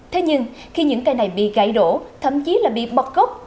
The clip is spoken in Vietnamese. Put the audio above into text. thế nhưng khi những cây này bị gãy đổ thậm chí là bị bật gốc